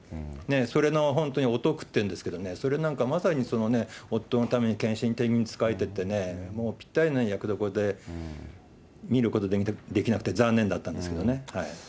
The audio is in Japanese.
それの本当におとくっていうんですけどね、それなんかまさに、その夫のために献身的につかえてってね、もうぴったりな役どころで、見ることできなくて残念だったんですけどね。